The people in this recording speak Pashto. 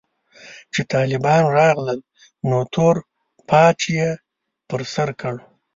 چې طالبان راغلل نو تور پاج يې پر سر کړ.